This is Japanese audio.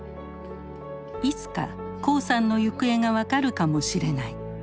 いつか黄さんの行方が分かるかもしれない。